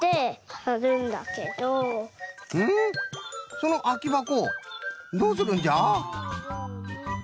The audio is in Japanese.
そのあきばこどうするんじゃ？